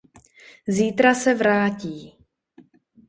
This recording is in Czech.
Zítra se vrátí.